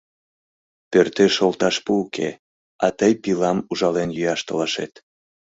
Пӧртеш олташ пу уке, а тый пилам ужален йӱаш толашет!